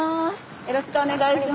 よろしくお願いします。